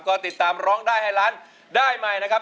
ก็ติดตามร้องได้ให้ล้านได้ใหม่นะครับ